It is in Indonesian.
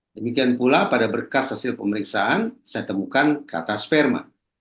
demikian pula pada berkas hasil pemeriksaan saya temukan kata sperma